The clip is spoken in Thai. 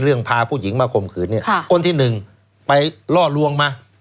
พาผู้หญิงมาข่มขืนเนี่ยคนที่หนึ่งไปล่อลวงมา